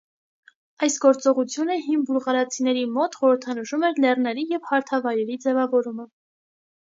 Այս գործողությունը հին բուլղարացիների մոտ խորհրդանշում էր լեռների և հարթավայրերի ձևավորումը։